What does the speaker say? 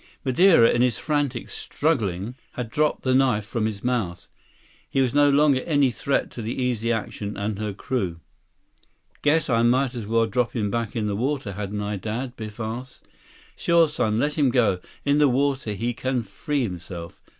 169 Madeira, in his frantic struggling, had dropped the knife from his mouth. He was no longer any threat to the Easy Action and her crew. "Guess I might as well drop him back in the water, hadn't I, Dad?" Biff asked. "Sure, son. Let him go. In the water he can free himself.